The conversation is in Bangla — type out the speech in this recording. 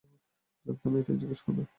জানতাম এটাই জিজ্ঞেস করবে।